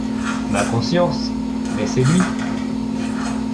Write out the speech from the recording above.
Ma conscience ! mais c’est lui.